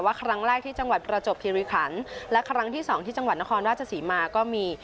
ครั้งแรกที่จังหวัดประจบคิริขันและครั้งที่สองที่จังหวัดนครราชศรีมาก็มี